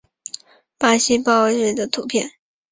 巴西豹蟾鱼的图片